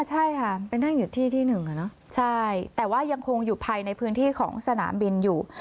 ใช่ค่ะไปนั่งอยู่ที่ที่หนึ่งอ่ะเนอะใช่แต่ว่ายังคงอยู่ภายในพื้นที่ของสนามบินอยู่